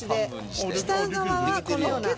下側はこのような感じ。